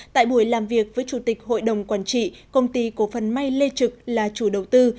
tại buổi làm việc với chủ tịch hội đồng quản trị công ty cổ phần may lê trực là chủ đầu tư